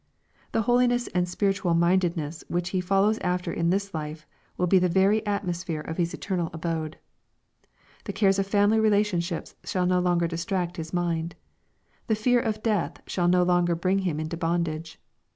The holiness and spiritual mindedness which he follows after in this life will be the very at mosphere of his eternal abode. The cares of family relationship shall no longer distract his mind. The fear of death shall no longer bring him into bondage.